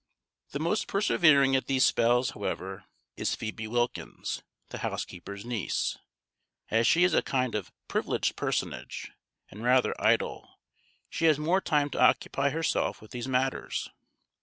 The most persevering at these spells, however, is Phoebe Wilkins, the housekeeper's niece. As she is a kind of privileged personage, and rather idle, she has more time to occupy herself with these matters.